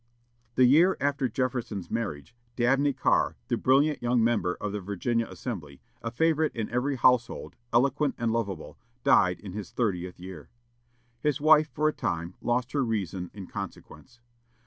The year after Jefferson's marriage, Dabney Carr, the brilliant young member of the Virginia Assembly, a favorite in every household, eloquent and lovable, died in his thirtieth year. His wife, for a time, lost her reason in consequence.